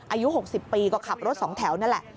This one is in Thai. อายุ๖๐ปีก็ขับรถ๒แถวนั่นแหละ